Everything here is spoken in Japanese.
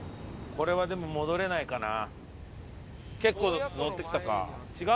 これはでも戻れないかな。